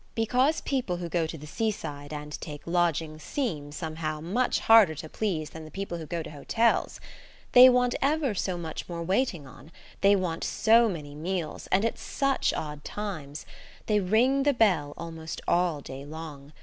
Because people who go to the seaside and take lodgings seem, somehow, much harder to please than the people who go to hotels. They. want ever so much more waiting on; they want so many meals, and at such odd times. They ring the bell almost all day long.